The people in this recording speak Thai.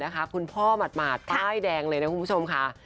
คุณพ่อหมาดป้ายแดงเลยนะคุณผู้ชมค่ะ